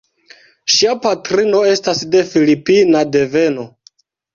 Ŝia patrino estas de filipina deveno.